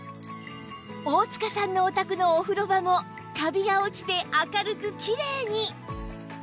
大塚さんのお宅のお風呂場もカビが落ちて明るくキレイに！